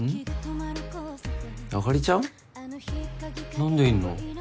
何でいんの？